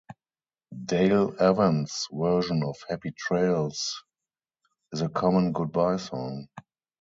Dale Evans' version of "Happy Trails" is a common good-bye song.